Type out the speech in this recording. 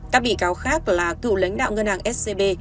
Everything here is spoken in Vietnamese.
các bị cáo khác là cựu lãnh đạo ngân hàng scb